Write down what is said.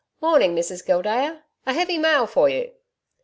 'Morning, Mrs Gildea ... a heavy mail for you!'